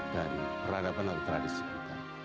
dari peradaban atau tradisi kita